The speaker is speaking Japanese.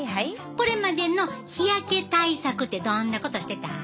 これまでの日焼け対策ってどんなことしてた？